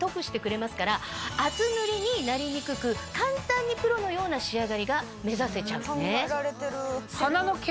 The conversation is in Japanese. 厚塗りになりにくく簡単にプロのような仕上がりが目指せちゃうんですね。